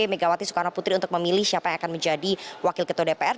megawati soekarno putri untuk memilih siapa yang akan menjadi wakil ketua dpr